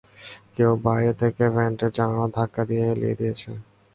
কেউ বাইরে থেকে ভেন্টের জানালা ধাক্কা দিয়ে হেলিয়ে দিয়েছে!